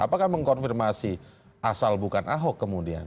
apakah mengkonfirmasi asal bukan ahok kemudian